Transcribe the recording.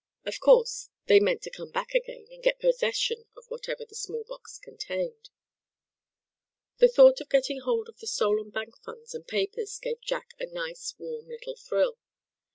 Of course they meant to come back again, and get possession of whatever that small box contained. The thought of getting hold of the stolen bank funds and papers gave Jack a nice warm little thrill.